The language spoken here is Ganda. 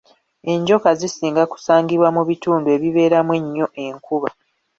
Enjoka zisinga kusangibwa mu bitundu ebibeeramu ennyo enkuba.